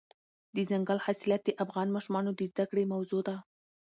دځنګل حاصلات د افغان ماشومانو د زده کړې موضوع ده.